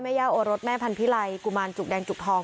ย่าโอรสแม่พันธิไลกุมารจุกแดงจุกทอง